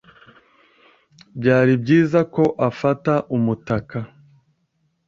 Byari byiza ko afata umutaka.